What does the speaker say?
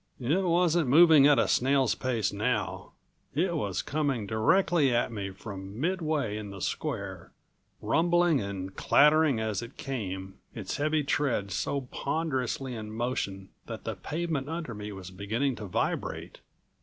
It wasn't moving at a snail's pace now. It was coming directly at me from mid way in the square, rumbling and clattering as it came, its heavy treads so ponderously in motion that the pavement under me was beginning to vibrate.